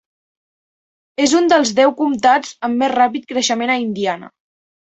És un dels deu comtats amb més ràpid creixement a Indiana.